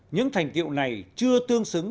những thành tiệu này chưa tương xứng